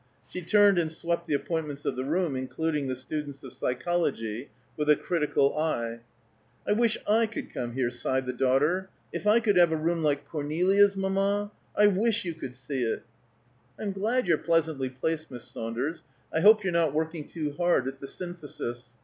She turned and swept the appointments of the room, including the students of psychology, with a critical eye. "I wish I could come here," sighed the daughter. "If I could have a room like Cornelia's, mamma! I wish you could see it." "I'm glad you're pleasantly placed, Miss Saunders. I hope you're not working too hard at the Synthesis.